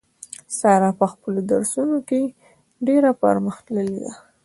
ساره په خپلو درسو نو کې ډېره پر مخ تللې ده.